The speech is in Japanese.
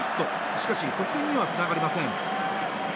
しかし得点にはつながりません。